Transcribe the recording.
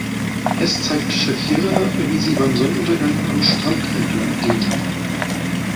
Es zeigt Shakira, wie sie bei Sonnenuntergang am Strand entlang geht.